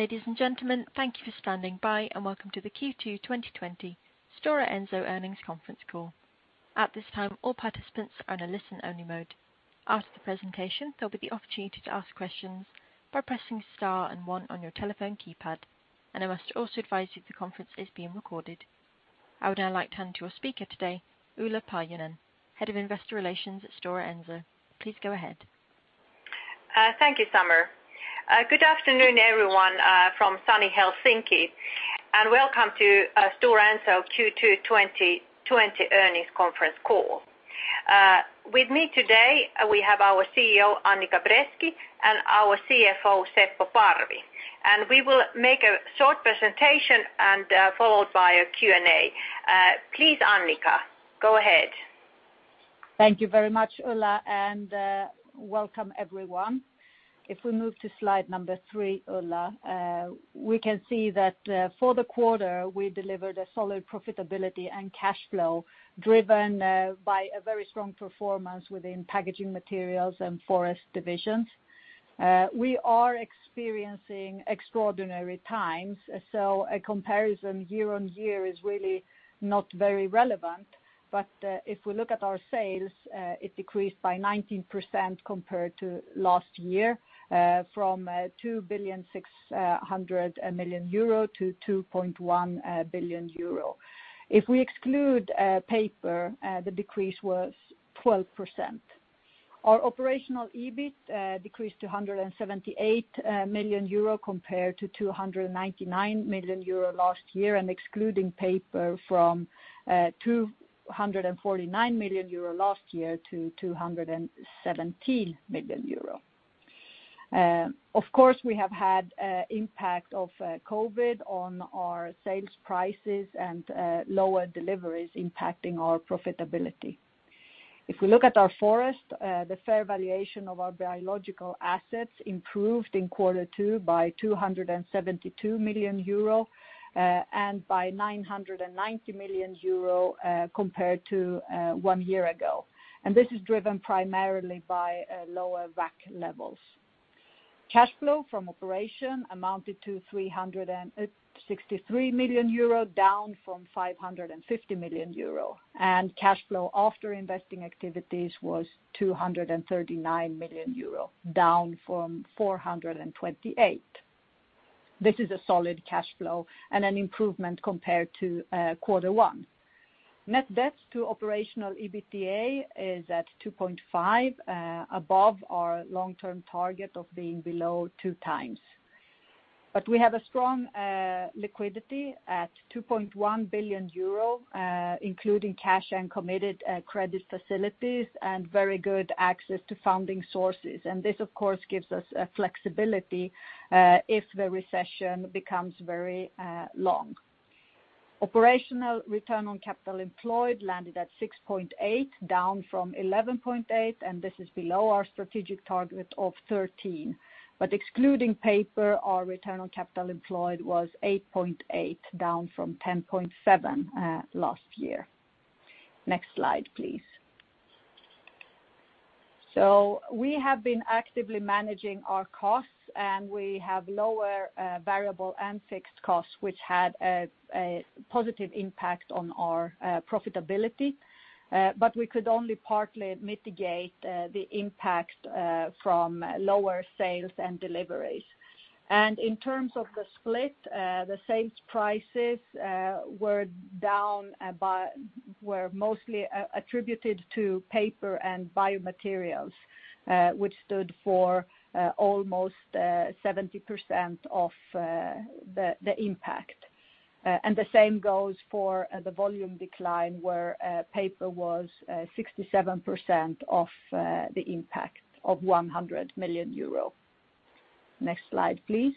Ladies and gentlemen, thank you for standing by and welcome to the Q2 2020 Stora Enso Earnings Conference Call. At this time, all participants are in a listen-only mode. After the presentation, there'll be the opportunity to ask questions by pressing star and one on your telephone keypad. I must also advise you the conference is being recorded. I would now like to hand to our speaker today, Ulla Paajanen, Head of Investor Relations at Stora Enso. Please go ahead. Thank you, Summer. Good afternoon, everyone from sunny Helsinki, and welcome to Stora Enso Q2 2020 Earnings Conference Call. With me today, we have our CEO, Annica Bresky, and our CFO, Seppo Parvi. We will make a short presentation and followed by a Q&A. Please, Annica, go ahead. Thank you very much, Ulla, and welcome everyone. If we move to slide number three, Ulla, we can see that for the quarter, we delivered a solid profitability and cash flow driven by a very strong performance within Packaging Materials and Forest divisions. We are experiencing extraordinary times, so a comparison year-on-year is really not very relevant. If we look at our sales, it decreased by 19% compared to last year from 2.6 billion to 2.1 billion euro. If we exclude Paper, the decrease was 12%. Our operational EBIT decreased to 178 million euro compared to 299 million euro last year, and excluding Paper from 249 million euro last year to 217 million euro. Of course, we have had impact of COVID on our sales prices and lower deliveries impacting our profitability. If we look at our Forest, the fair valuation of our biological assets improved in Q2 by 272 million euro, and by 990 million euro, compared to one year ago. This is driven primarily by lower WACC levels. Cash flow from operation amounted to 363 million euro, down from 550 million euro, and cash flow after investing activities was 239 million euro, down from 428 million. This is a solid cash flow and an improvement compared to Q1. Net debt to operational EBITDA is at 2.5 above our long-term target of being below 2 times. We have a strong liquidity at 2.1 billion euro, including cash and committed credit facilities and very good access to funding sources. This, of course, gives us flexibility if the recession becomes very long. Operational return on capital employed landed at 6.8, down from 11.8, and this is below our strategic target of 13. Excluding Paper, our return on capital employed was 8.8, down from 10.7 last year. Next slide, please. We have been actively managing our costs, and we have lower variable and fixed costs, which had a positive impact on our profitability. We could only partly mitigate the impact from lower sales and deliveries. In terms of the split, the sales prices were mostly attributed to Paper and Biomaterials, which stood for almost 70% of the impact. The same goes for the volume decline, where Paper was 67% of the impact of 100 million euro. Next slide, please.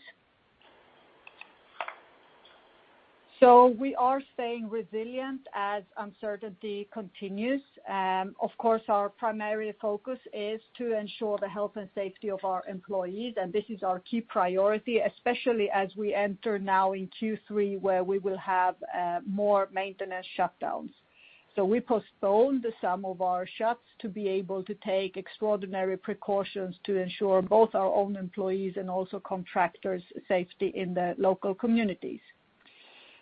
We are staying resilient as uncertainty continues. Of course, our primary focus is to ensure the health and safety of our employees. This is our key priority, especially as we enter now in Q3, where we will have more maintenance shutdowns. We postponed some of our shuts to be able to take extraordinary precautions to ensure both our own employees and also contractors' safety in the local communities.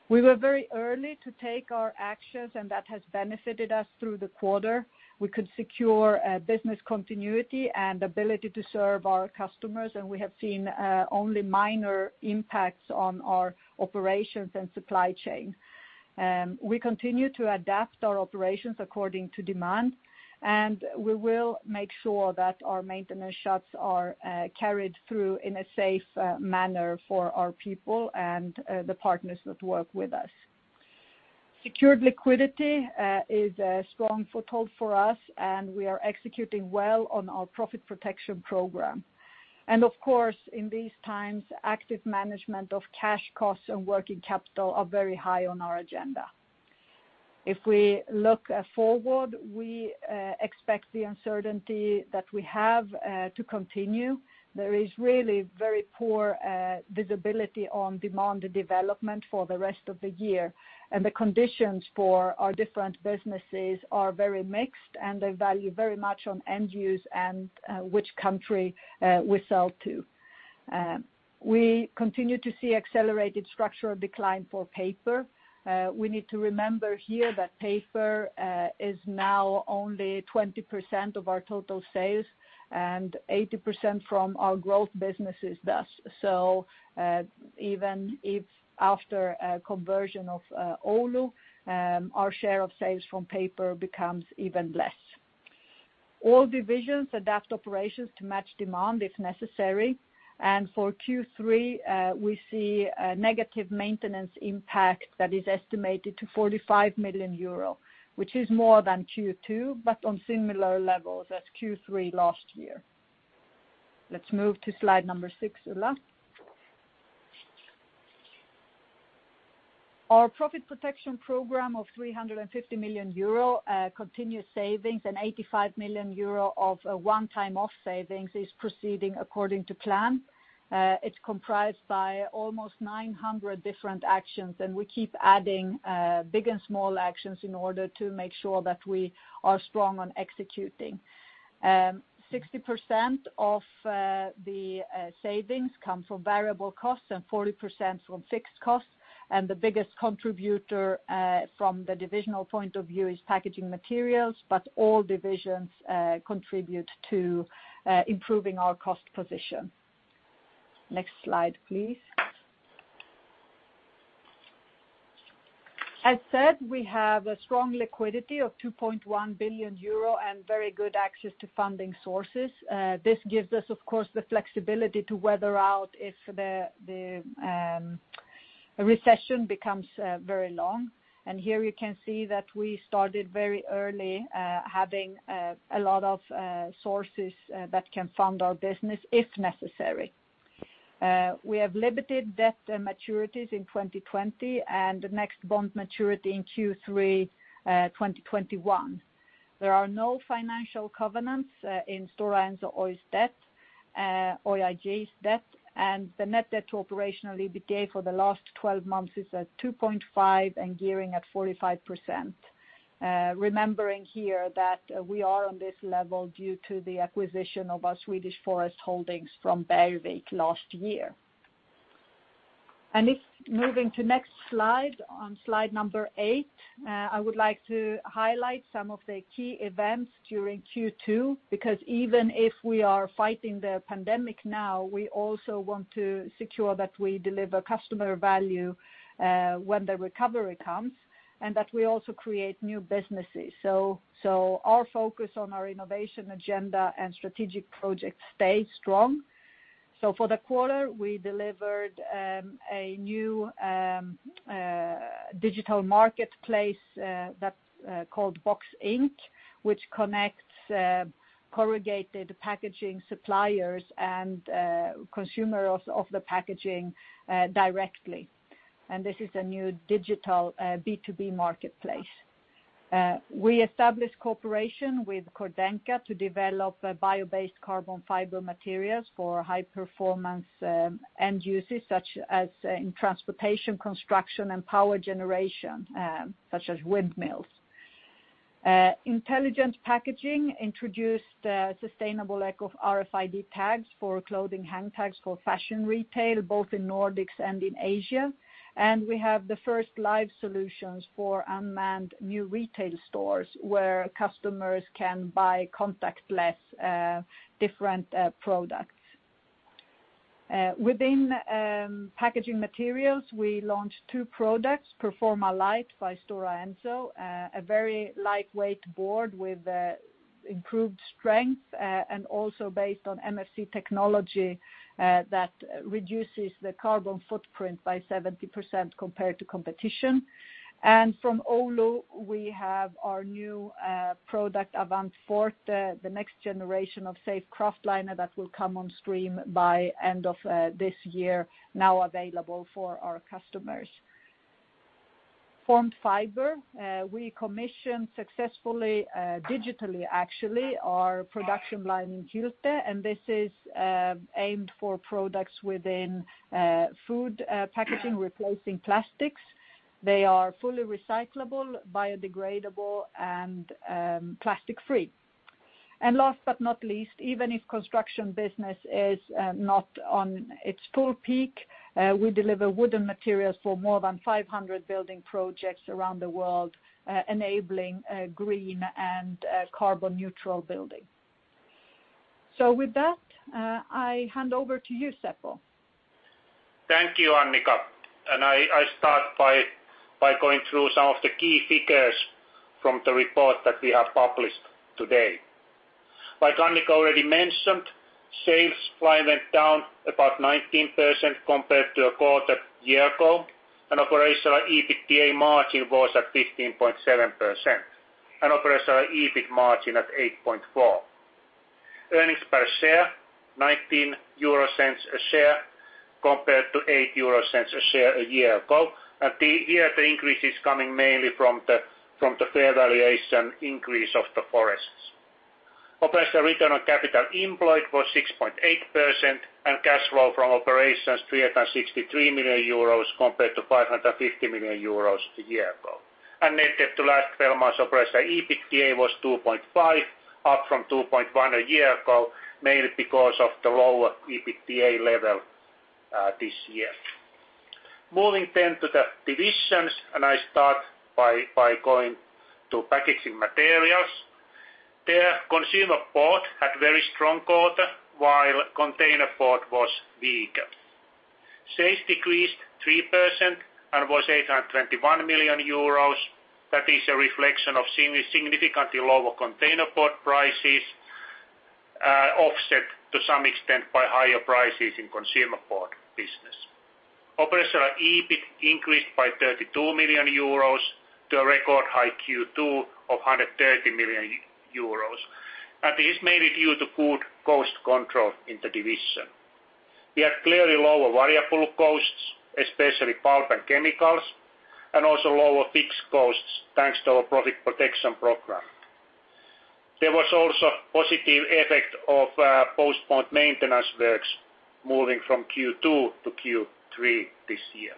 We were very early to take our actions. That has benefited us through the quarter. We could secure business continuity and ability to serve our customers. We have seen only minor impacts on our operations and supply chain. We continue to adapt our operations according to demand. We will make sure that our maintenance shuts are carried through in a safe manner for our people and the partners that work with us. Secured liquidity is a strong foothold for us. We are executing well on our profit protection program. Of course, in these times, active management of cash costs and working capital are very high on our agenda. If we look forward, we expect the uncertainty that we have to continue. There is really very poor visibility on demand development for the rest of the year, and the conditions for our different businesses are very mixed, and they vary very much on end use and which country we sell to. We continue to see accelerated structural decline for paper. We need to remember here that paper is now only 20% of our total sales and 80% from our growth businesses thus. Even if after a conversion of Oulu, our share of sales from paper becomes even less. All divisions adapt operations to match demand if necessary. For Q3, we see a negative maintenance impact that is estimated to 45 million euro, which is more than Q2, but on similar levels as Q3 last year. Let's move to slide number six, Ulla. Our profit protection program of 350 million euro continued savings and 85 million euro of one-time off savings is proceeding according to plan. It's comprised by almost 900 different actions, and we keep adding big and small actions in order to make sure that we are strong on executing. 60% of the savings come from variable costs and 40% from fixed costs, and the biggest contributor from the divisional point of view is Packaging Materials, but all divisions contribute to improving our cost position. Next slide, please. As said, we have a strong liquidity of 2.1 billion euro and very good access to funding sources. This gives us, of course, the flexibility to weather out if the recession becomes very long. Here you can see that we started very early having a lot of sources that can fund our business if necessary. We have limited debt maturities in 2020 and the next bond maturity in Q3 2021. There are no financial covenants in Stora Enso's debt, Oyj's debt, and the net debt to operational EBITDA for the last 12 months is at 2.5 and gearing at 45%. Remembering here that we are on this level due to the acquisition of our Swedish forest holdings from Bergvik last year. If moving to next slide, on slide number 8, I would like to highlight some of the key events during Q2, because even if we are fighting the pandemic now, we also want to secure that we deliver customer value when the recovery comes, and that we also create new businesses. Our focus on our innovation agenda and strategic projects stay strong. For the quarter, we delivered a new digital marketplace that's called Box Inc, which connects corrugated packaging suppliers and consumers of the packaging directly. This is a new digital B2B marketplace. We established cooperation with Cordenka to develop bio-based carbon fiber materials for high performance end uses, such as in transportation, construction, and power generation, such as windmills. Intelligent Packaging introduced sustainable ECO RFID tags for clothing hang tags for fashion retail, both in Nordics and in Asia. We have the first live solutions for unmanned new retail stores where customers can buy contactless different products. Within Packaging Materials, we launched two products, Performa Light by Stora Enso, a very lightweight board with improved strength and also based on MFC technology that reduces the carbon footprint by 70% compared to competition. From Oulu, we have our new product, AvantForte, the next generation of safe kraftliner that will come on stream by end of this year, now available for our customers. Formed Fiber, we commissioned successfully, digitally actually, our production line in Hylte. This is aimed for products within food packaging replacing plastics. They are fully recyclable, biodegradable, and plastic free. Last but not least, even if construction business is not on its full peak, we deliver wooden materials for more than 500 building projects around the world, enabling green and carbon neutral building. With that, I hand over to you, Seppo. Thank you, Annica. I start by going through some of the key figures from the report that we have published today. Like Annica already mentioned, sales volume went down about 19% compared to a quarter a year ago. Operational EBITDA margin was at 15.7%, and operational EBIT margin at 8.4%. Earnings per share, 0.19 a share compared to 0.08 a share a year ago. Here, the increase is coming mainly from the fair valuation increase of the forests. Operational return on capital employed was 6.8%. Cash flow from operations 363 million euros compared to 550 million euros a year ago. Net debt to last 12 months operational EBITDA was 2.5, up from 2.1 a year ago, mainly because of the lower EBITDA level this year. Moving to the divisions. I start by going to Packaging Materials. There, consumer board had very strong quarter, while container board was weaker. Sales decreased 3% and was 821 million euros. That is a reflection of significantly lower container board prices, offset to some extent by higher prices in consumer board business. Operational EBIT increased by 32 million euros to a record high Q2 of 130 million euros. This is mainly due to good cost control in the division. We had clearly lower variable costs, especially pulp and chemicals, and also lower fixed costs, thanks to our profit protection program. There was also positive effect of postponed maintenance works moving from Q2 to Q3 this year.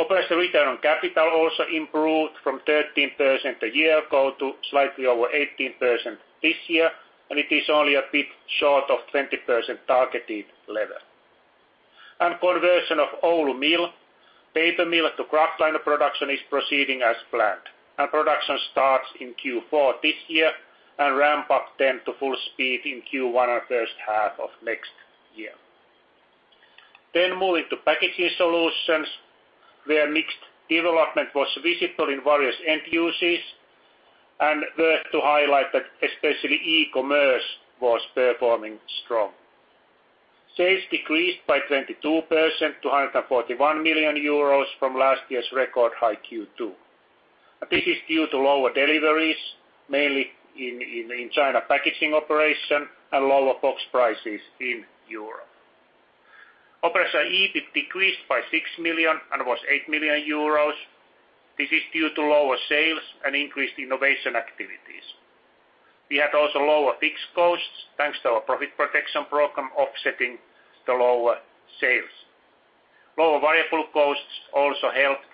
Operational return on capital also improved from 13% a year ago to slightly over 18% this year, it is only a bit short of 20% targeted level. Conversion of Oulu mill, paper mill to kraftliner production is proceeding as planned. Production starts in Q4 this year, and ramp up to full speed in Q1 or first half of next year. Moving to Packaging Solutions, where mixed development was visible in various end uses, and worth to highlight that especially e-commerce was performing strong. Sales decreased by 22%, to 141 million euros from last year's record high Q2. This is due to lower deliveries, mainly in China packaging operation and lower box prices in Europe. Operational EBIT decreased by 6 million and was 8 million euros. This is due to lower sales and increased innovation activities. We had also lower fixed costs, thanks to our profit protection program offsetting the lower sales. Lower variable costs also helped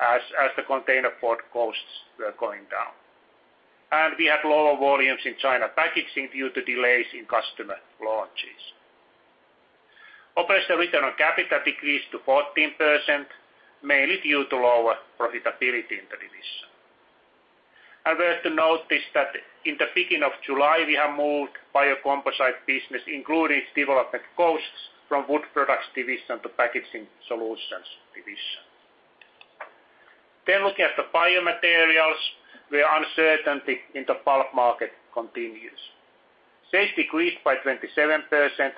as the containerboard costs were going down. We had lower volumes in China packaging due to delays in customer launches. Operational return on capital decreased to 14%, mainly due to lower profitability in the division. Worth to notice that in the beginning of July, we have moved biocomposite business, including development costs, from Wood Products division to Packaging Materials division. Looking at the biomaterials, where uncertainty in the pulp market continues. Sales decreased by 27%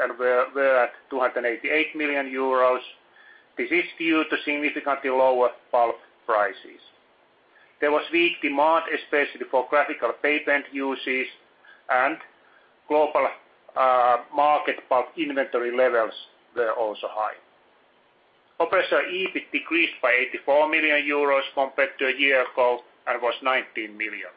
and were at 288 million euros. This is due to significantly lower pulp prices. There was weak demand, especially for graphical paper end uses and global market pulp inventory levels were also high. Operational EBIT decreased by 84 million euros compared to a year ago and was 19 million.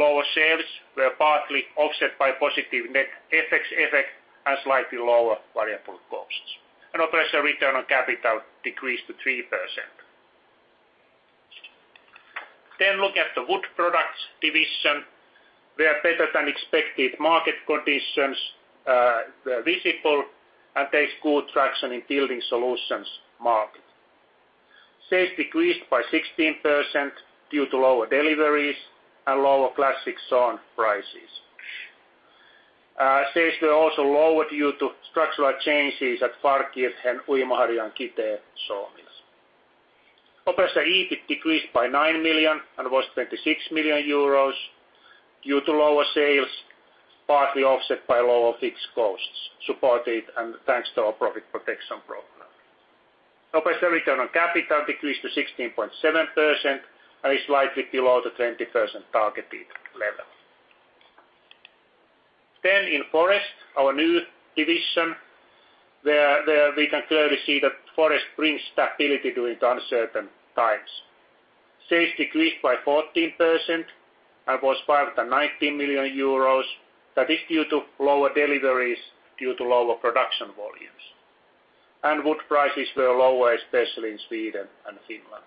Lower sales were partly offset by positive net FX effect and slightly lower variable costs. Operational return on capital decreased to 3%. Look at the Wood Products division, where better than expected market conditions were visible and there is good traction in Building Solutions market. Sales decreased by 16% due to lower deliveries and lower classic sawn prices. Sales were also lower due to structural changes at Varkaus and Uimaharju and Kitee sawmills. Operational EBIT decreased by 9 million and was 26 million euros due to lower sales, partly offset by lower fixed costs, supported and thanks to our profit protection program. Operational return on capital decreased to 16.7% and is slightly below the 20% targeted level. In Forest, our new division, there we can clearly see that Forest brings stability during uncertain times. Sales decreased by 14% and was 519 million euros. That is due to lower deliveries due to lower production volumes. Wood prices were lower, especially in Sweden and Finland.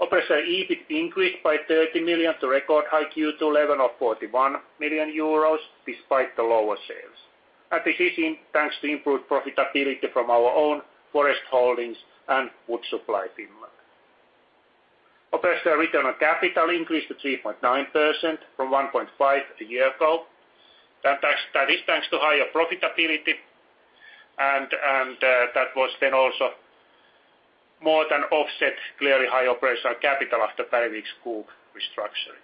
Operational EBIT increased by 30 million to record high Q2 level of 41 million euros despite the lower sales. This is thanks to improved profitability from our own forest holdings and wood supply Finland. Operational return on capital increased to 3.9% from 1.5% a year ago. That is thanks to higher profitability and that was also more than offset clearly high operational capital after Bergvik's group restructuring.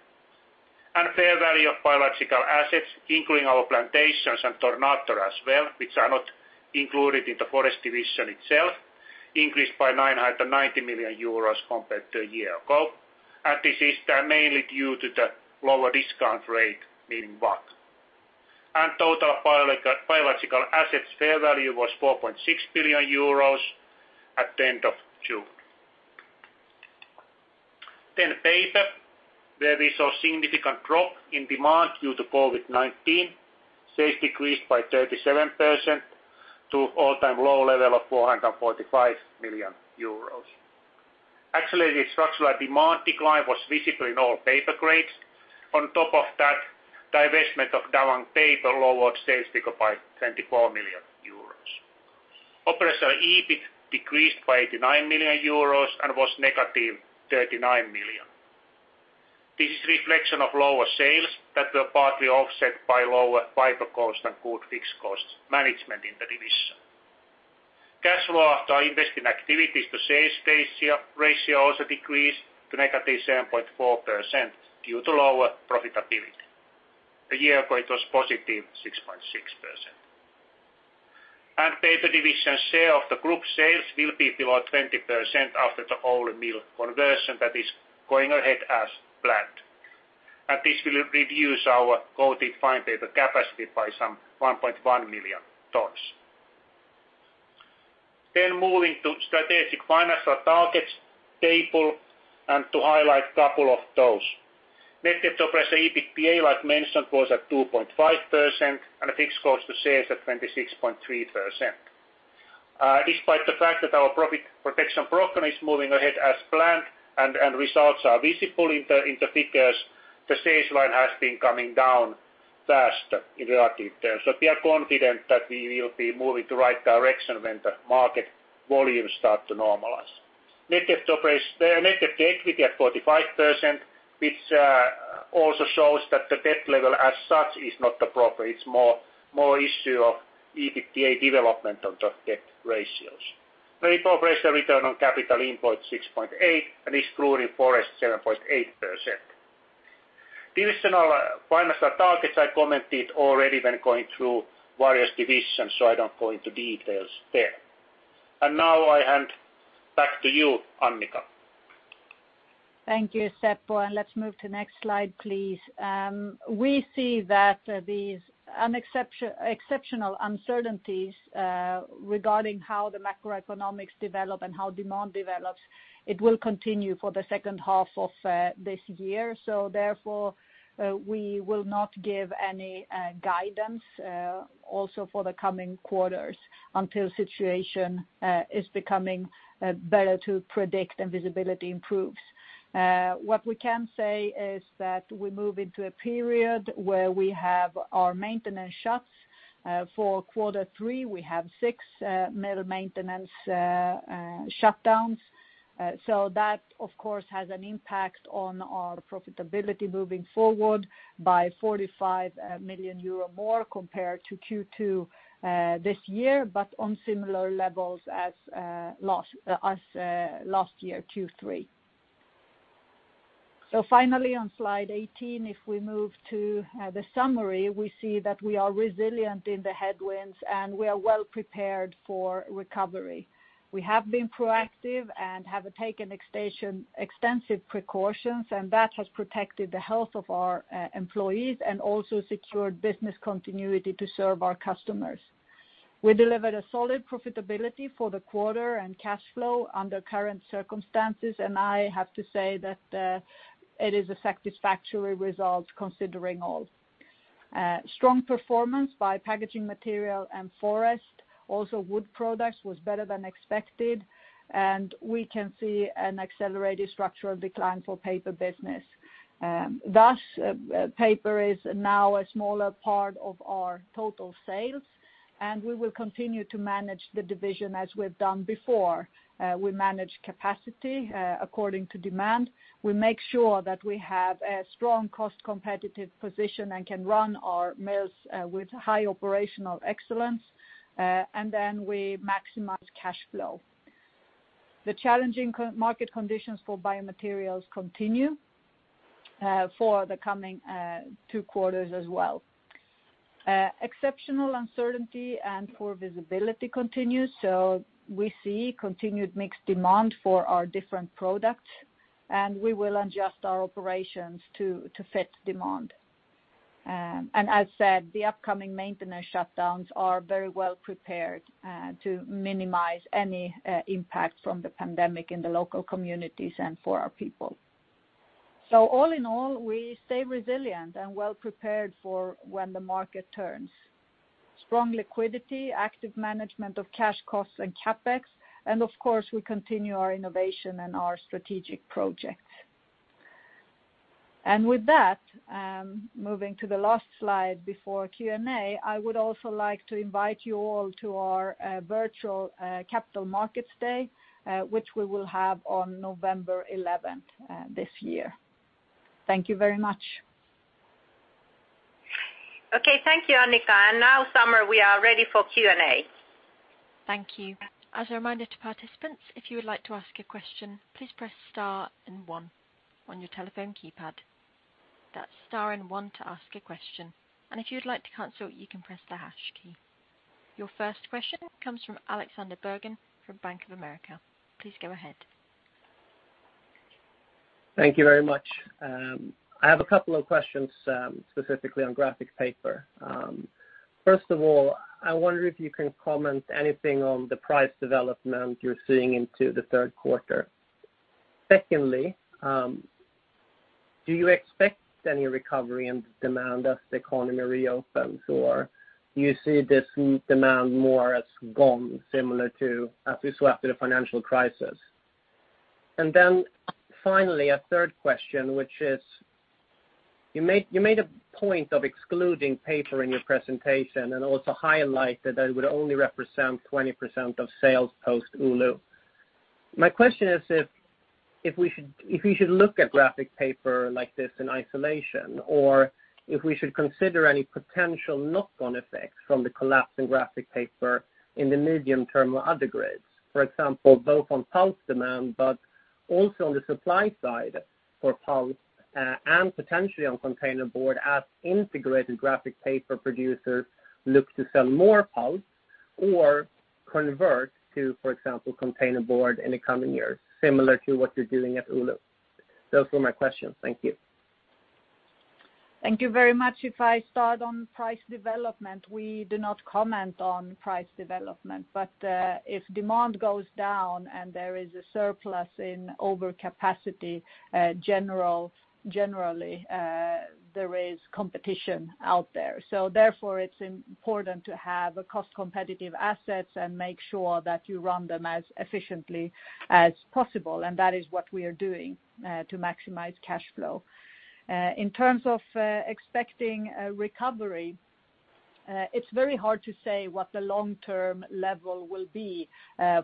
Fair value of biological assets, including our plantations and Tornator as well, which are not included in the forest division itself, increased by 990 million euros compared to a year ago. This is mainly due to the lower discount rate, meaning WACC. Total biological assets fair value was 4.6 billion euros at the end of June. Paper, where we saw significant drop in demand due to COVID-19. Sales decreased by 37% to all-time low level of 445 million euros. Actually, the structural demand decline was visible in all paper grades. On top of that, divestment of Dawang Paper lowered sales figure by 24 million euros. Operational EBIT decreased by 89 million euros and was negative 39 million. This is reflection of lower sales that were partly offset by lower fiber cost and good fixed cost management in the division. Cash flow after investing activities to sales ratio also decreased to negative 7.4% due to lower profitability. The year before, it was positive 6.6%. Paper division share of the group sales will be below 20% after the oulu mill conversion that is going ahead as planned. This will reduce our coated fine paper capacity by some 1.1 million tons. Moving to strategic financial targets table and to highlight couple of those. Net debt to operational EBITDA, like mentioned, was at 2.5%, and fixed cost to sales at 26.3%. Despite the fact that our profit protection program is moving ahead as planned and results are visible in the figures, the sales line has been coming down faster in relative terms. We are confident that we will be moving to right direction when the market volumes start to normalize. Net debt to equity at 45%, which also shows that the debt level as such is not the problem. It's more issue of EBITDA development on just debt ratios. Net operational return on capital employed 6.8%, and excluding forest, 7.8%. Division financial targets, I commented already when going through various divisions, so I don't go into details there. Now I hand back to you, Annica. Thank you, Seppo. Let's move to next slide, please. We see that these exceptional uncertainties regarding how the macroeconomics develop and how demand develops, it will continue for the second half of this year. Therefore, we will not give any guidance also for the coming quarters until situation is becoming better to predict and visibility improves. What we can say is that we move into a period where we have our maintenance shuts. For quarter three, we have six mill maintenance shutdowns. That, of course, has an impact on our profitability moving forward by 45 million euro more compared to Q2 this year, but on similar levels as last year, Q3. Finally, on slide 18, if we move to the summary, we see that we are resilient in the headwinds, and we are well-prepared for recovery. We have been proactive and have taken extensive precautions. That has protected the health of our employees and also secured business continuity to serve our customers. We delivered a solid profitability for the quarter and cash flow under current circumstances. I have to say that it is a satisfactory result considering all. Strong performance by Packaging Materials and forest. Also wood products was better than expected. We can see an accelerated structural decline for paper business. Thus, paper is now a smaller part of our total sales. We will continue to manage the division as we've done before. We manage capacity according to demand. We make sure that we have a strong cost-competitive position and can run our mills with high operational excellence. Then we maximize cash flow. The challenging market conditions for biomaterials continue for the coming two quarters as well. Exceptional uncertainty and poor visibility continues, so we see continued mixed demand for our different products, and we will adjust our operations to fit demand. As said, the upcoming maintenance shutdowns are very well prepared to minimize any impact from the pandemic in the local communities and for our people. All in all, we stay resilient and well prepared for when the market turns. Strong liquidity, active management of cash costs and CapEx, and of course, we continue our innovation and our strategic projects. With that, moving to the last slide before Q&A, I would also like to invite you all to our virtual Capital Markets Day, which we will have on November 11th this year. Thank you very much. Okay, thank you, Annica. Now, Samer, we are ready for Q&A. Thank you. As a reminder to participants, if you would like to ask a question, please press star and one on your telephone keypad. That's star and one to ask a question. If you'd like to cancel, you can press the hash key. Your first question comes from Alexander Bergen from Bank of America. Please go ahead. Thank you very much. I have a couple of questions, specifically on graphic paper. First of all, I wonder if you can comment anything on the price development you're seeing into the third quarter. Do you expect any recovery in demand as the economy reopens, or you see this demand more as gone, similar to as we saw after the financial crisis? Finally, a third question, which is, you made a point of excluding paper in your presentation and also highlighted that it would only represent 20% of sales post Oulu. My question is if we should look at graphic paper like this in isolation, or if we should consider any potential knock-on effects from the collapse in graphic paper in the medium term or other grids, for example, both on pulp demand, but also on the supply side for pulp, and potentially on containerboard as integrated graphic paper producers look to sell more pulp or convert to, for example, containerboard in the coming years, similar to what you're doing at Oulu. Those were my questions. Thank you. Thank you very much. If I start on price development, we do not comment on price development. If demand goes down and there is a surplus in overcapacity, generally there is competition out there. Therefore it's important to have cost-competitive assets and make sure that you run them as efficiently as possible, and that is what we are doing to maximize cash flow. In terms of expecting a recovery, it's very hard to say what the long-term level will be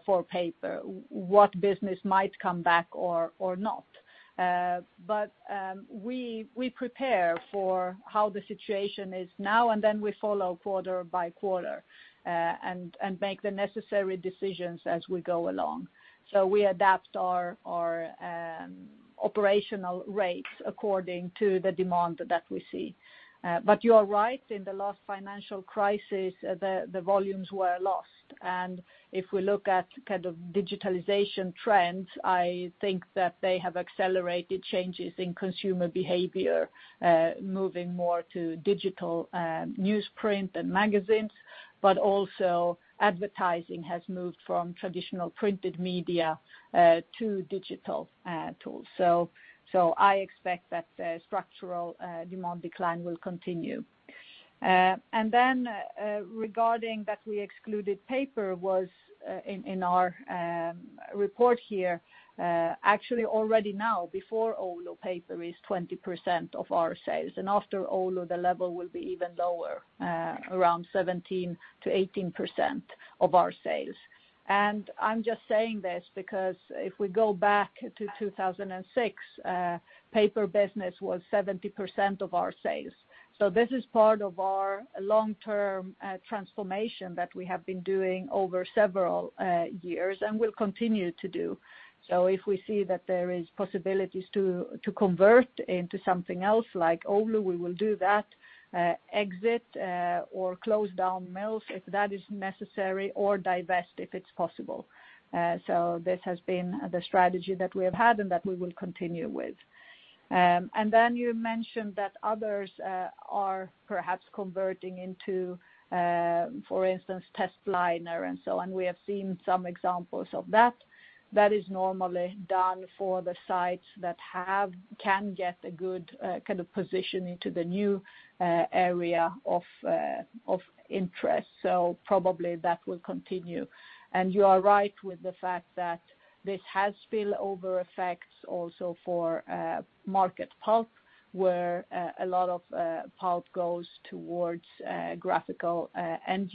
for paper, what business might come back or not. We prepare for how the situation is now, and then we follow quarter by quarter, and make the necessary decisions as we go along. We adapt our operational rates according to the demand that we see. You are right, in the last financial crisis, the volumes were lost. If we look at digitalization trends, I think that they have accelerated changes in consumer behavior, moving more to digital newsprint and magazines, but also advertising has moved from traditional printed media to digital tools. I expect that the structural demand decline will continue. Regarding that we excluded paper in our report here, actually already now, before Oulu paper is 20% of our sales. After Oulu, the level will be even lower, around 17%-18% of our sales. I'm just saying this because if we go back to 2006, paper business was 70% of our sales. This is part of our long-term transformation that we have been doing over several years and will continue to do. If we see that there is possibilities to convert into something else, like Oulu, we will do that, exit or close down mills if that is necessary, or divest if it's possible. This has been the strategy that we have had and that we will continue with. Then you mentioned that others are perhaps converting into, for instance, test liner and so on. We have seen some examples of that. That is normally done for the sites that can get a good position into the new area of interest. Probably that will continue. You are right with the fact that this has spillover effects also for market pulp, where a lot of pulp goes towards graphical end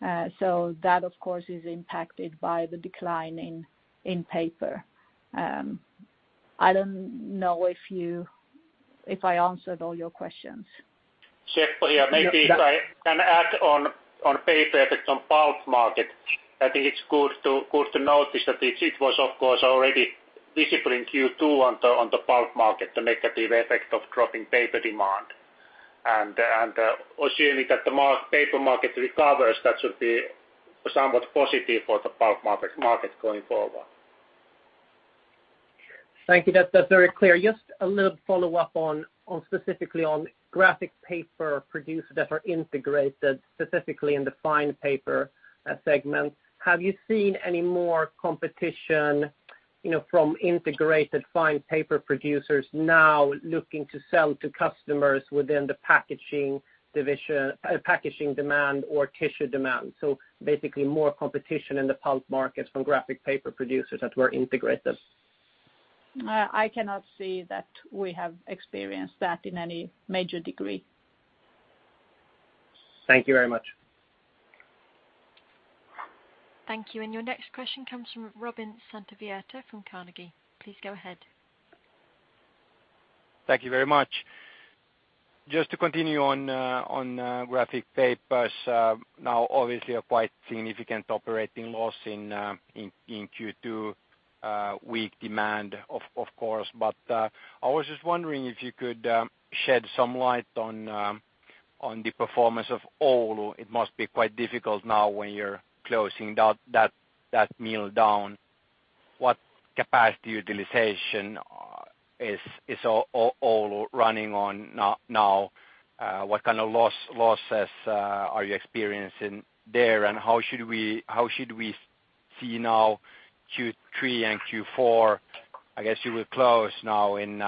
uses. That, of course, is impacted by the decline in paper. I don't know if I answered all your questions. Seppo here. Maybe if I can add on paper effects on pulp market, I think it's good to notice that it was, of course, already visible in Q2 on the pulp market, the negative effect of dropping paper demand. Assuming that the paper market recovers, that should be somewhat positive for the pulp market going forward. Thank you. That's very clear. Just a little follow-up specifically on graphic paper producers that are integrated, specifically in the fine paper segment. Have you seen any more competition from integrated fine paper producers now looking to sell to customers within the packaging demand or tissue demand? Basically more competition in the pulp market from graphic paper producers that were integrated. I cannot say that we have experienced that in any major degree. Thank you very much. Thank you. Your next question comes from Robin Santavirta from Carnegie. Please go ahead. Thank you very much. Just to continue on graphic papers. Obviously a quite significant operating loss in Q2. Weak demand, of course. I was just wondering if you could shed some light on the performance of Oulu. It must be quite difficult now when you're closing that mill down. What capacity utilization is Oulu running on now? What kind of losses are you experiencing there, and how should we see now Q3 and Q4? I guess you will close now in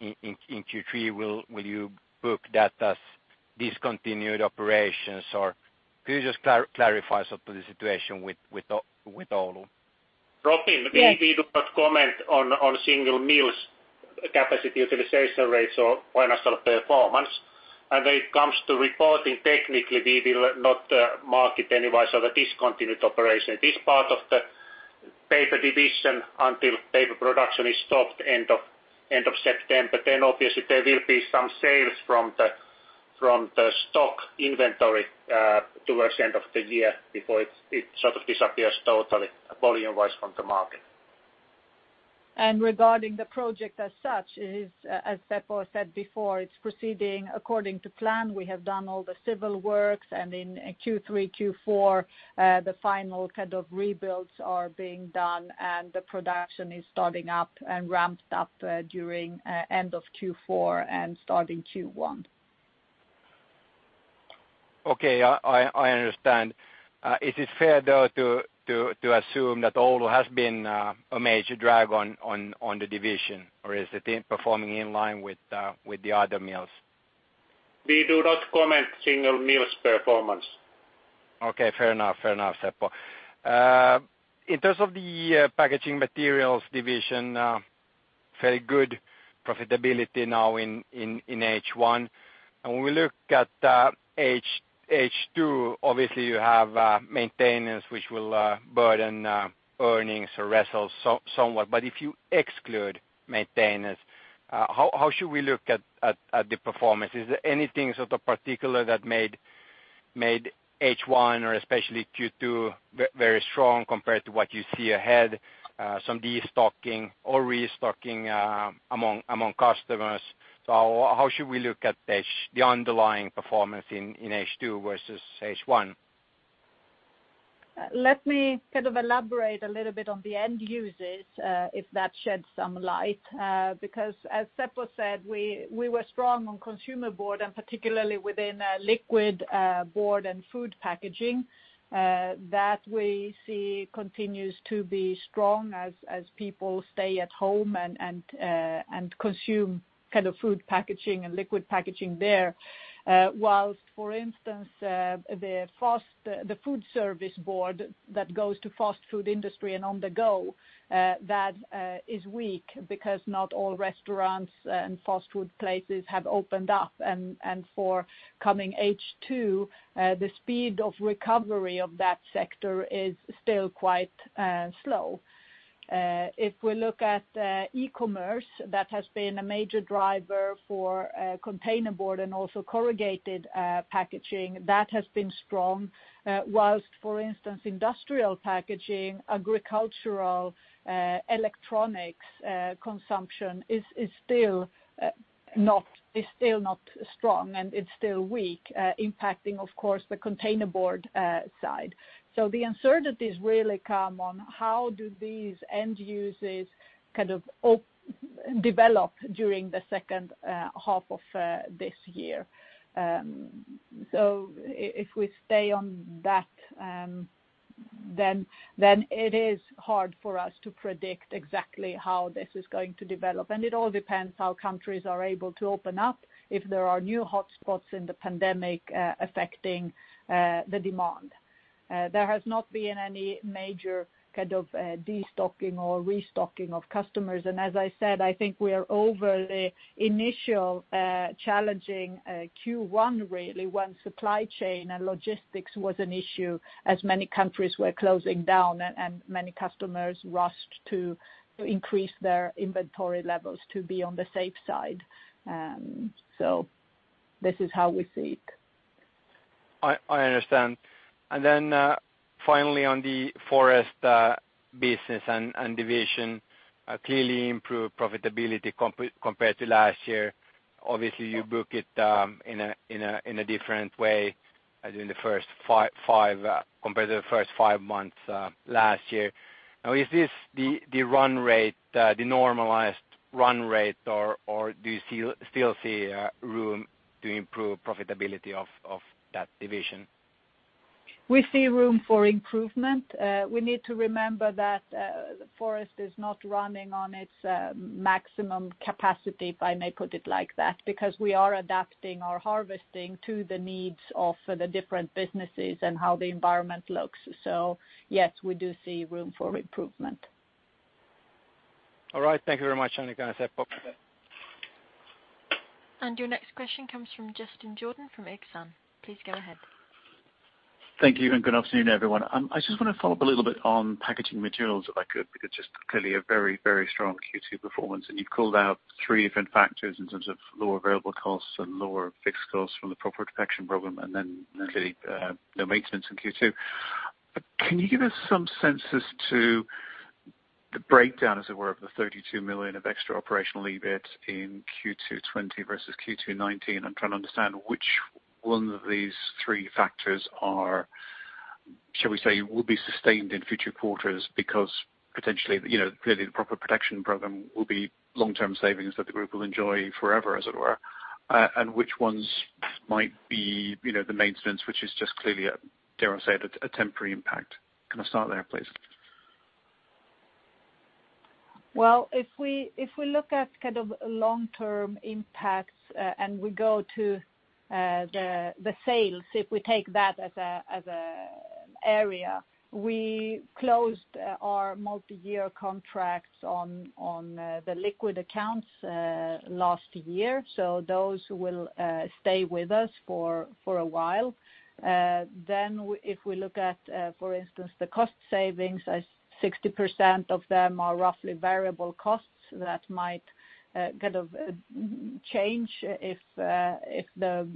Q3. Will you book that as discontinued operations, or could you just clarify the situation with Oulu? Robin, we do not comment on single mills' capacity utilization rates or financial performance. When it comes to reporting, technically, we will not mark it anywise as a discontinued operation. It is part of the paper division until paper production is stopped end of September. Obviously there will be some sales from the stock inventory towards the end of the year before it disappears totally, volume-wise from the market. Regarding the project as such, as Seppo said before, it's proceeding according to plan. We have done all the civil works, and in Q3, Q4, the final rebuilds are being done, and the production is starting up and ramped up during end of Q4 and starting Q1. Okay. I understand. Is it fair, though, to assume that Oulu has been a major drag on the division, or is it performing in line with the other mills? We do not comment single mills' performance. Okay. Fair enough, Seppo. In terms of the Packaging Materials division, very good profitability now in H1. When we look at H2, obviously you have maintenance which will burden earnings or results somewhat. If you exclude maintenance, how should we look at the performance? Is there anything particular that made H1 or especially Q2 very strong compared to what you see ahead, some destocking or restocking among customers? How should we look at the underlying performance in H2 versus H1? Let me elaborate a little bit on the end uses, if that sheds some light. As Seppo said, we were strong on consumer board, and particularly within liquid packaging board and food packaging. That we see continues to be strong as people stay at home and consume food packaging and liquid packaging there. Whilst, for instance, the food service board that goes to fast food industry and on-the-go, that is weak because not all restaurants and fast food places have opened up. For coming H2, the speed of recovery of that sector is still quite slow. If we look at e-commerce, that has been a major driver for containerboard and also corrugated packaging. That has been strong, whilst, for instance, industrial packaging, agricultural, electronics consumption is still not strong, and it's still weak, impacting of course, the containerboard side. The uncertainties really come on how do these end uses develop during the second half of this year. If we stay on that, then it is hard for us to predict exactly how this is going to develop. It all depends how countries are able to open up, if there are new hotspots in the pandemic affecting the demand. There has not been any major destocking or restocking of customers. As I said, I think we are over the initial challenging Q1, really, when supply chain and logistics was an issue as many countries were closing down and many customers rushed to increase their inventory levels to be on the safe side. This is how we see it. I understand. Finally on the forest business and division, clearly improved profitability compared to last year. Obviously, you book it in a different way compared to the first five months last year. Is this the normalized run rate, or do you still see room to improve profitability of that division? We see room for improvement. We need to remember that forest is not running on its maximum capacity, if I may put it like that, because we are adapting our harvesting to the needs of the different businesses and how the environment looks. Yes, we do see room for improvement. All right. Thank you very much, Annica and Seppo. Your next question comes from Justin Jordan from Exane. Please go ahead. Thank you. Good afternoon, everyone. I just want to follow up a little bit on Packaging Materials, if I could, because just clearly a very strong Q2 performance. You've called out three different factors in terms of lower variable costs and lower fixed costs from the profit protection program, and then clearly, no maintenance in Q2. Can you give us some senses to the breakdown, as it were, of the 32 million of extra operational EBIT in Q2 2020 versus Q2 2019? I'm trying to understand which one of these three factors are, shall we say, will be sustained in future quarters because potentially, clearly the profit protection program will be long-term savings that the group will enjoy forever, as it were. Which ones might be the maintenance, which is just clearly, dare I say it, a temporary impact. Can I start there, please? Well, if we look at long-term impacts, and we go to the sales, if we take that as an area, we closed our multi-year contracts on the liquid accounts last year. Those will stay with us for a while. If we look at, for instance, the cost savings, as 60% of them are roughly variable costs, that might change if the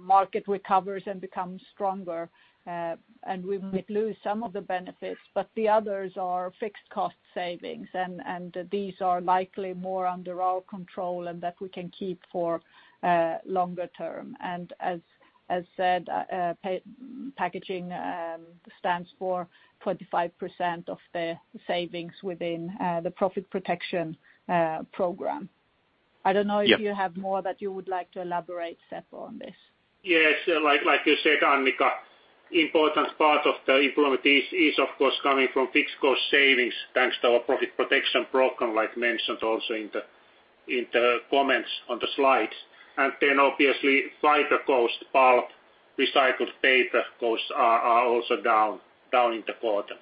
market recovers and becomes stronger, and we might lose some of the benefits. The others are fixed cost savings, and these are likely more under our control and that we can keep for longer term. As said, packaging stands for 25% of the savings within the profit protection program. I don't know if you have more that you would like to elaborate, Seppo, on this. Yes. Like you said, Annica, important part of the improvement is, of course, coming from fixed cost savings, thanks to our profit protection program, like mentioned also in the comments on the slides. Then obviously, fiber cost, pulp, recycled paper costs are also down in the quarter.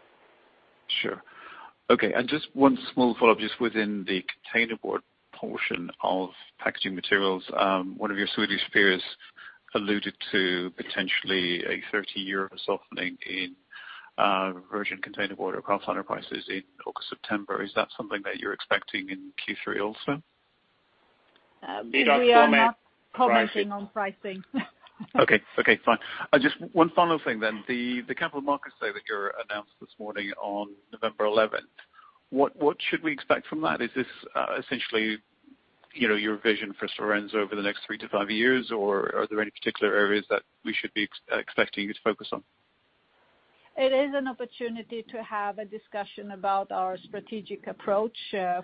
Sure. Okay. Just one small follow-up, just within the containerboard portion of Packaging Materials. One of your Swedish peers alluded to potentially a 30-year softening in virgin containerboard or kraftliner prices in October, September. Is that something that you're expecting in Q3 also? We are not commenting on pricing. Okay, fine. Just one final thing then. The Capital Markets Day that you announced this morning on November 11th, what should we expect from that? Is this essentially your vision for Stora Enso over the next three to five years, or are there any particular areas that we should be expecting you to focus on? It is an opportunity to have a discussion about our strategic approach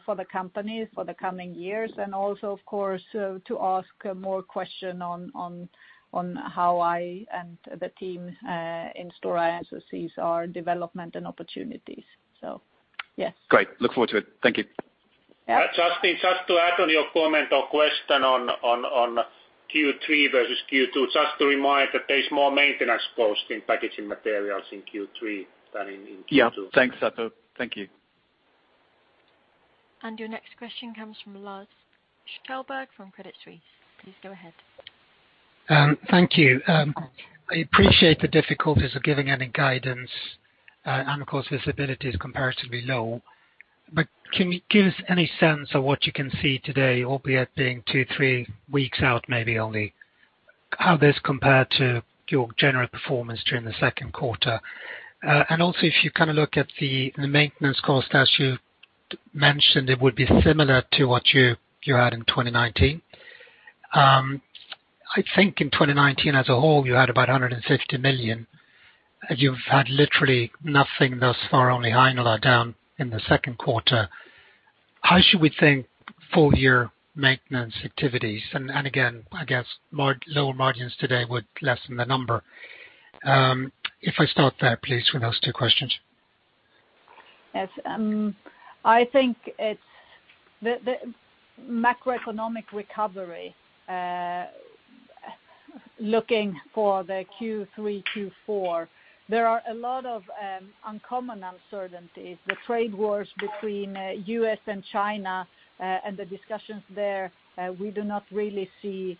for the company for the coming years, and also, of course, to ask more questions on how I and the team in Stora Enso sees our development and opportunities. Yes. Great. Look forward to it. Thank you. Yeah. Justin, just to add on your comment or question on Q3 versus Q2, just to remind that there's more maintenance cost in Packaging Materials in Q3 than in Q2. Yeah, thanks, Seppo. Thank you. Your next question comes from Lars Kjellberg from Credit Suisse. Please go ahead. Thank you. I appreciate the difficulties of giving any guidance, and of course, visibility is comparatively low. Can you give us any sense of what you can see today, albeit being two, three weeks out, maybe only? How this compared to your general performance during the second quarter? If you look at the maintenance cost, as you mentioned, it would be similar to what you had in 2019. I think in 2019 as a whole, you had about 150 million, and you've had literally nothing thus far, only Heinola down in the second quarter. How should we think full year maintenance activities? I guess lower margins today would lessen the number. If I start there, please, with those two questions. Yes. I think it's the macroeconomic recovery, looking for the Q3, Q4. There are a lot of uncommon uncertainties. The trade wars between U.S. and China, and the discussions there, we do not really see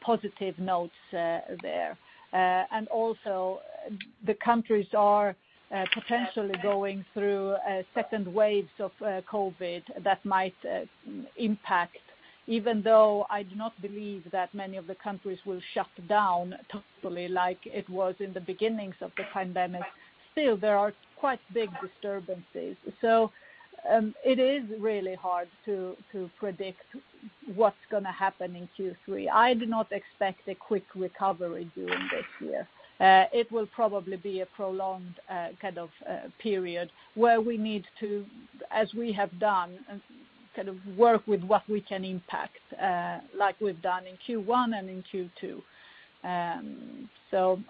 positive notes there. The countries are potentially going through second waves of COVID that might impact, even though I do not believe that many of the countries will shut down totally like it was in the beginnings of the pandemic. Still, there are quite big disturbances. It is really hard to predict what's going to happen in Q3. I do not expect a quick recovery during this year. It will probably be a prolonged kind of period where we need to, as we have done, work with what we can impact, like we've done in Q1 and in Q2.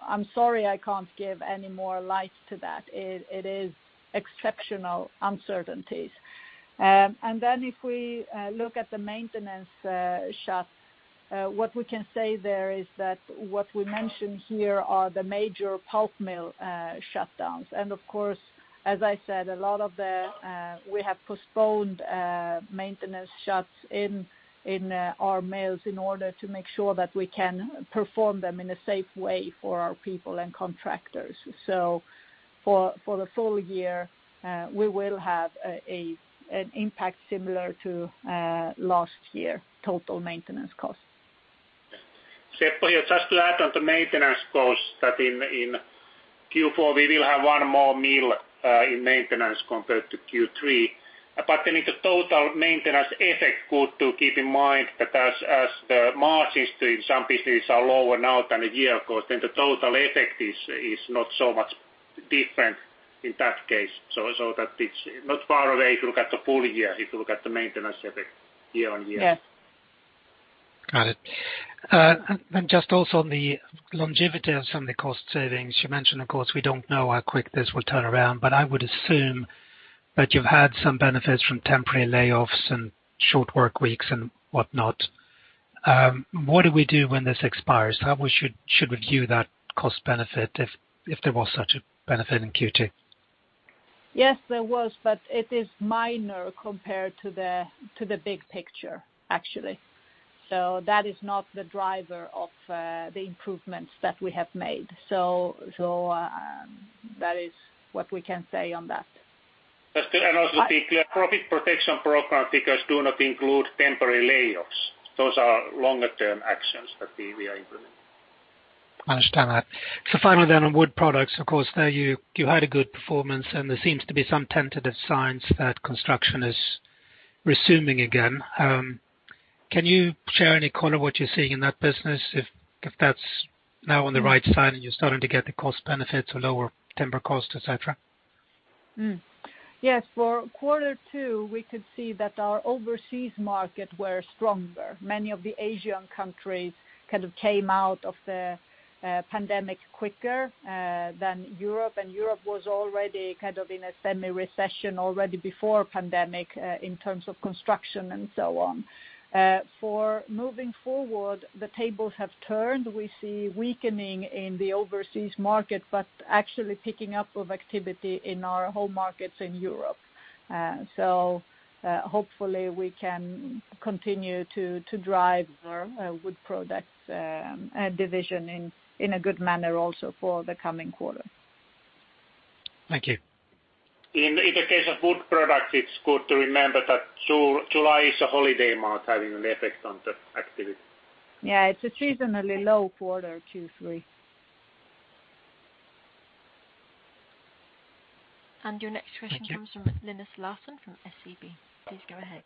I'm sorry I can't give any more light to that. It is exceptional uncertainties. If we look at the maintenance shuts, what we can say there is that what we mention here are the major pulp mill shutdowns. Of course, as I said, we have postponed maintenance shuts in our mills in order to make sure that we can perform them in a safe way for our people and contractors. For the full year, we will have an impact similar to last year total maintenance cost. Seppo here. Just to add on the maintenance cost that in Q4, we will have one more mill in maintenance compared to Q3. In the total maintenance effect, good to keep in mind that as the margins in some businesses are lower now than a year ago, the total effect is not so much different in that case. It's not far away if you look at the full year, if you look at the maintenance effect year-on-year. Yes. Got it. Just also on the longevity of some of the cost savings you mentioned, of course, we don't know how quick this will turn around, but I would assume that you've had some benefits from temporary layoffs and short work weeks and whatnot. What do we do when this expires? How should we view that cost benefit, if there was such a benefit in Q2? Yes, there was, but it is minor compared to the big picture, actually. That is not the driver of the improvements that we have made. That is what we can say on that. Also to be clear, profit protection program figures do not include temporary layoffs. Those are longer term actions that we are implementing. I understand that. Finally then, on Wood Products, of course, there you had a good performance and there seems to be some tentative signs that construction is resuming again. Can you share any color what you're seeing in that business, if that's now on the right side and you're starting to get the cost benefits or lower timber cost, et cetera? Yes. For quarter two, we could see that our overseas market were stronger. Many of the Asian countries kind of came out of the pandemic quicker than Europe was already kind of in a semi-recession already before pandemic, in terms of construction and so on. For moving forward, the tables have turned. We see weakening in the overseas market, actually picking up of activity in our home markets in Europe. Hopefully we can continue to drive our Wood Products division in a good manner also for the coming quarter. Thank you. In the case of wood products, it's good to remember that July is a holiday month, having an effect on the activity. Yeah. It's a seasonally low quarter, Q3. Your next question- Thank you. comes from Linus Larsson from SEB. Please go ahead.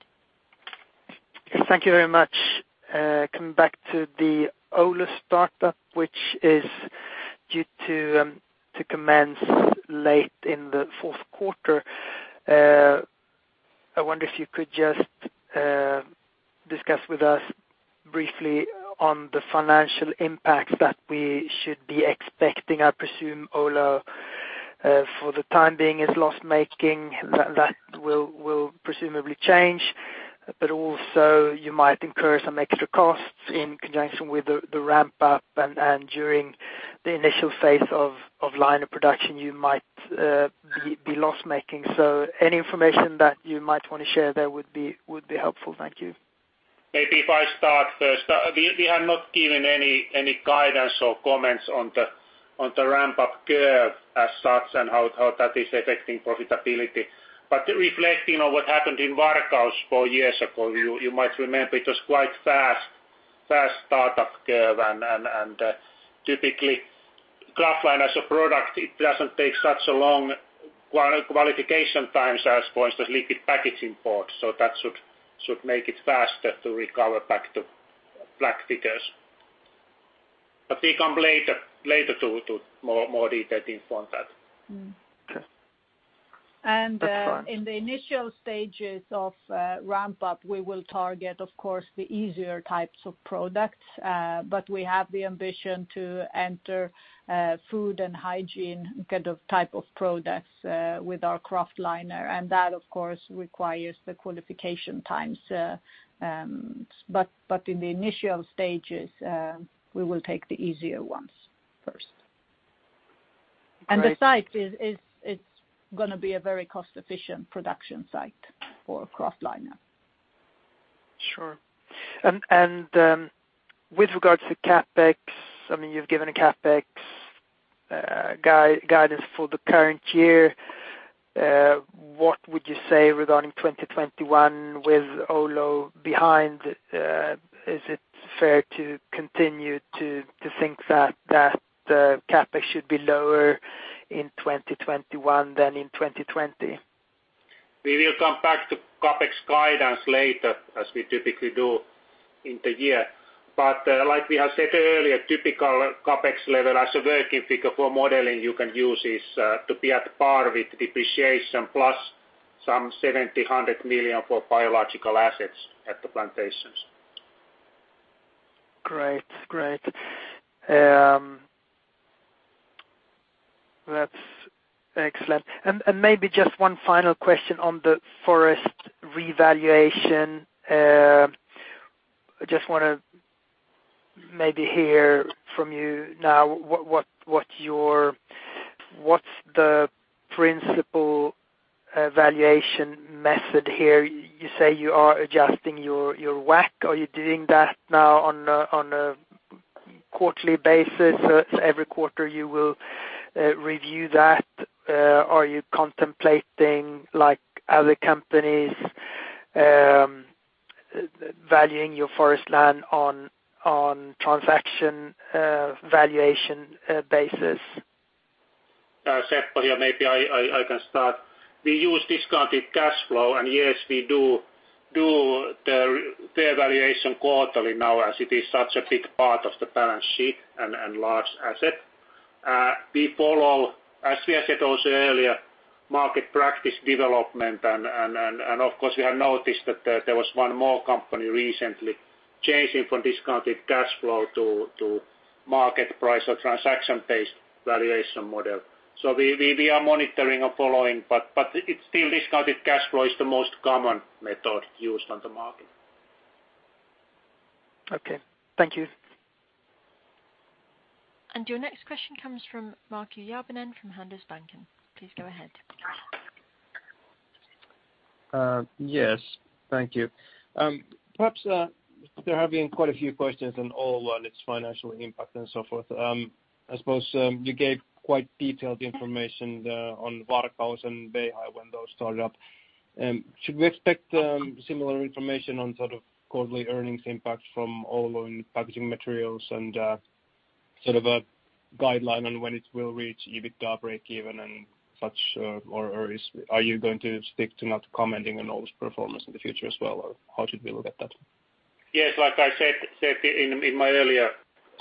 Thank you very much. Coming back to the Oulu start-up, which is due to commence late in the fourth quarter. I wonder if you could just discuss with us briefly on the financial impact that we should be expecting. I presume Oulu, for the time being, is loss-making. Also you might incur some extra costs in conjunction with the ramp up and during the initial phase of line of production, you might be loss-making. Any information that you might want to share there would be helpful. Thank you. Maybe if I start first. We have not given any guidance or comments on the ramp-up curve as such and how that is affecting profitability. Reflecting on what happened in Varkaus four years ago, you might remember it was quite fast start-up curve, and typically kraftliner as a product, it doesn't take such a long qualification times as, for instance, liquid packaging boards. That should make it faster to recover back to black figures. We come later to more detailed info on that. Okay. That's fine. In the initial stages of ramp-up, we will target, of course, the easier types of products. We have the ambition to enter food and hygiene type of products with our kraftliner, and that, of course, requires the qualification times. In the initial stages, we will take the easier ones first. Great. The site, it's going to be a very cost-efficient production site for kraftliner. Sure. With regards to CapEx, I mean, you've given a CapEx guidance for the current year. What would you say regarding 2021 with Oulu behind? Is it fair to continue to think that the CapEx should be lower in 2021 than in 2020? We will come back to CapEx guidance later, as we typically do in the year. Like we have said earlier, typical CapEx level as a working figure for modeling you can use is to be at par with depreciation plus some 70 to 100 million for biological assets at the plantations. Great. That's excellent. Maybe just one final question on the forest revaluation. I just want to maybe hear from you now, what's the principle valuation method here? You say you are adjusting your WACC. Are you doing that now on a quarterly basis? Every quarter you will review that? Are you contemplating, like other companies valuing your forest land on transaction valuation basis? Seppo here, maybe I can start. We use discounted cash flow. Yes, we do the valuation quarterly now as it is such a big part of the balance sheet and large asset. We follow, as we had said also earlier, market practice development. Of course, we have noticed that there was one more company recently changing from discounted cash flow to market price or transaction-based valuation model. We are monitoring or following, but it's still discounted cash flow is the most common method used on the market. Okay. Thank you. Your next question comes from Markku Järvinen from Handelsbanken. Please go ahead. Yes. Thank you. Perhaps, there have been quite a few questions on Oulu and its financial impact and so forth. I suppose, you gave quite detailed information on Varkaus and Beihai when those started up. Should we expect similar information on sort of quarterly earnings impact from Oulu in Packaging Materials, and sort of a guideline on when it will reach EBITDA breakeven and such? Are you going to stick to not commenting on Oulu's performance in the future as well? How should we look at that? Yes, like I said in my earlier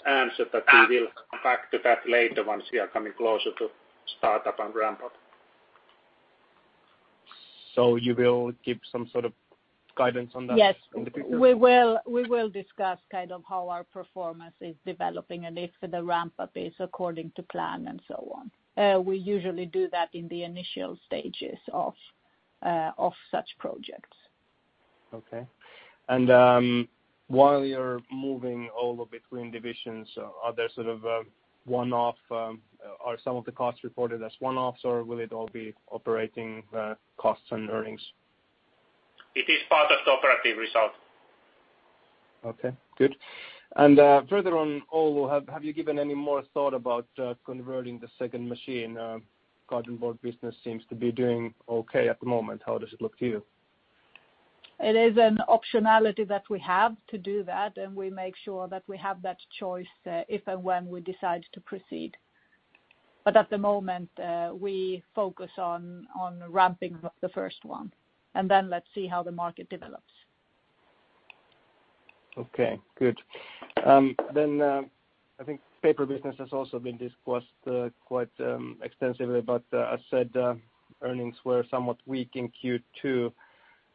answer, that we will come back to that later once we are coming closer to startup and ramp-up. You will give some sort of guidance on that in the future? Yes. We will discuss how our performance is developing and if the ramp-up is according to plan and so on. We usually do that in the initial stages of such projects. Okay. While you're moving Oulu between divisions, are some of the costs reported as one-offs, or will it all be operating costs and earnings? It is part of the operating result. Okay, good. Further on Oulu, have you given any more thought about converting the second machine? Cardboard business seems to be doing okay at the moment. How does it look to you? It is an optionality that we have to do that, and we make sure that we have that choice if and when we decide to proceed. At the moment, we focus on ramping up the first one, and then let's see how the market develops. Okay, good. I think paper business has also been discussed quite extensively, but as said, earnings were somewhat weak in Q2.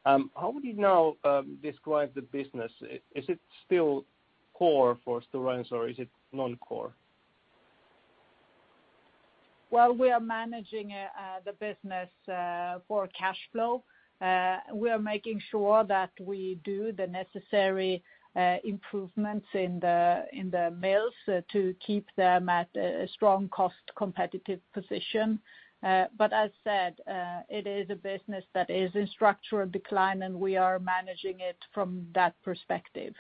How would you now describe the business? Is it still core for Stora Enso, or is it non-core? Well, we are managing the business for cash flow. We are making sure that we do the necessary improvements in the mills to keep them at a strong cost competitive position. As said, it is a business that is in structural decline, and we are managing it from that perspective.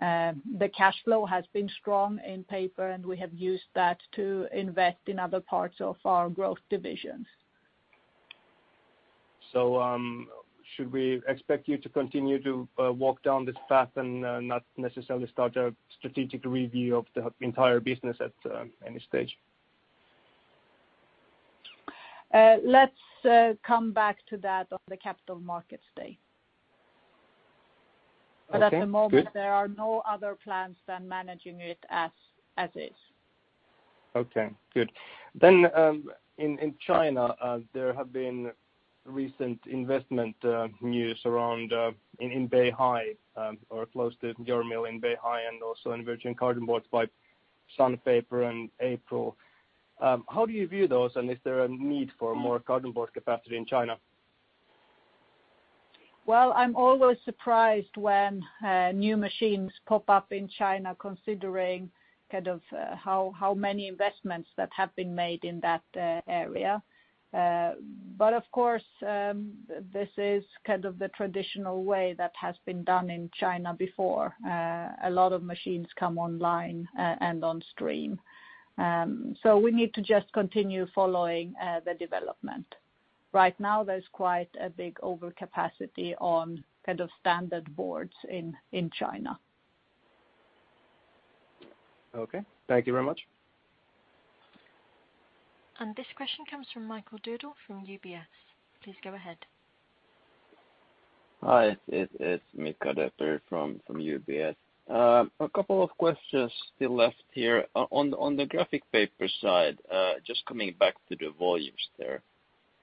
The cash flow has been strong in paper, and we have used that to invest in other parts of our growth divisions. Should we expect you to continue to walk down this path and not necessarily start a strategic review of the entire business at any stage? Let's come back to that on the Capital Markets Day. Okay. Good. At the moment, there are no other plans than managing it as is. Okay, good. In China, there have been recent investment news around in Beihai, or close to your mill in Beihai, and also in virgin cardboards by Sun Paper in April. How do you view those, and is there a need for more cardboard capacity in China? Well, I'm always surprised when new machines pop up in China, considering how many investments that have been made in that area. Of course, this is kind of the traditional way that has been done in China before. A lot of machines come online and on stream. We need to just continue following the development. Right now, there's quite a big overcapacity on standard boards in China. Okay. Thank you very much. This question comes from Mika Döpper from UBS. Please go ahead. Hi, it's Mika Döpper from UBS. A couple of questions still left here. On the graphic paper side, just coming back to the volumes there.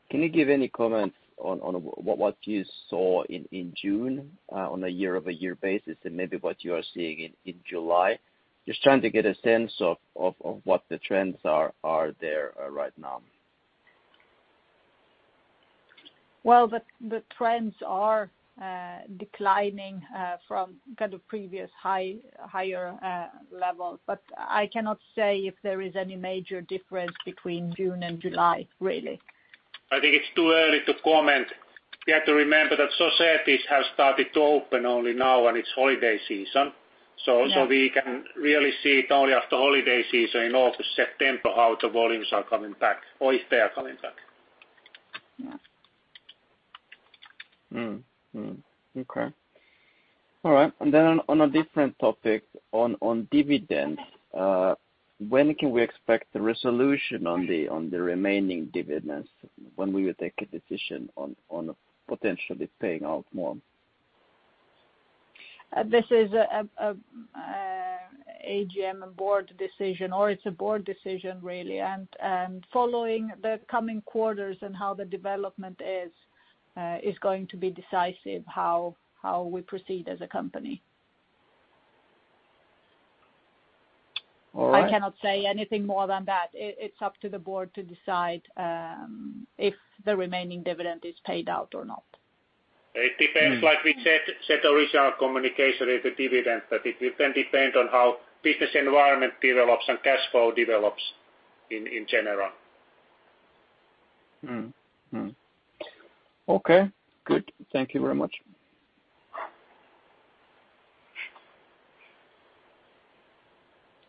Can you give any comments on what you saw in June on a year-over-year basis, and maybe what you are seeing in July? Just trying to get a sense of what the trends are there right now. Well, the trends are declining from kind of previous higher levels, but I cannot say if there is any major difference between June and July, really. I think it's too early to comment. We have to remember that societies have started to open only now, and it's holiday season. Yeah. We can really see it only after holiday season in August, September, how the volumes are coming back, or if they are coming back. Yeah. Okay. All right. On a different topic, on dividend, when can we expect the resolution on the remaining dividends? When we will take a decision on potentially paying out more? This is AGM board decision, or it's a board decision, really. Following the coming quarters and how the development is going to be decisive how we proceed as a company. All right. I cannot say anything more than that. It's up to the board to decide if the remaining dividend is paid out or not. It depends, like we said original communication with the dividend. It can depend on how business environment develops and cash flow develops in general. Okay, good. Thank you very much.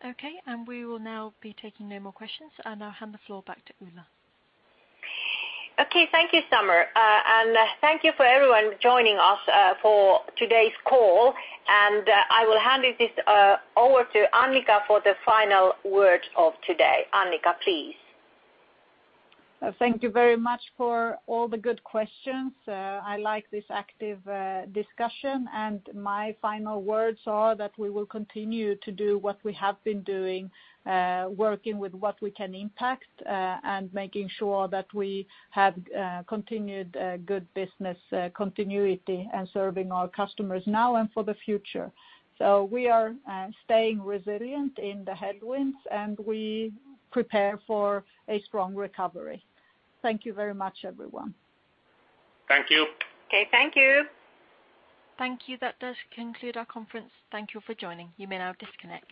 Okay, we will now be taking no more questions. I'll now hand the floor back to Ulla. Okay, thank you, Summer. Thank you for everyone joining us for today's call, and I will hand it over to Annica for the final word of today. Annica, please. Thank you very much for all the good questions. I like this active discussion and my final words are that we will continue to do what we have been doing, working with what we can impact, and making sure that we have continued good business continuity and serving our customers now and for the future. We are staying resilient in the headwinds, and we prepare for a strong recovery. Thank you very much, everyone. Thank you. Okay, thank you. Thank you. That does conclude our conference. Thank you for joining. You may now disconnect.